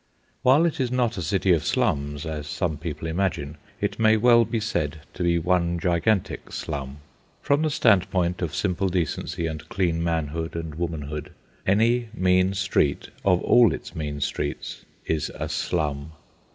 While it is not a city of slums, as some people imagine, it may well be said to be one gigantic slum. From the standpoint of simple decency and clean manhood and womanhood, any mean street, of all its mean streets, is a slum.